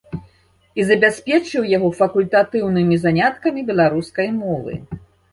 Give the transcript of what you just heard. І забяспечыў яго факультатыўнымі заняткамі беларускай мовы.